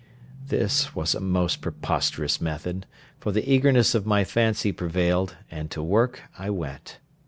This was a most preposterous method; but the eagerness of my fancy prevailed, and to work I went.